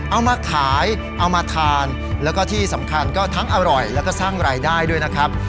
เอามาขายเอามาทานแล้วก็ที่สำคัญก็ทั้งอร่อยแล้วก็สร้างรายได้ด้วยนะครับ